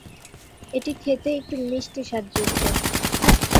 এটি খেতে একটু মিষ্টি স্বাদযুক্ত।